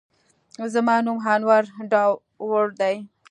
زما نوم انور داوړ دی